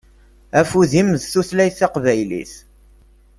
Afud-im d tutlayt taqbaylit.